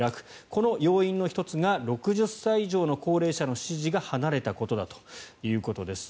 この要因の１つが６０歳以上の高齢者の支持が離れたことだということです。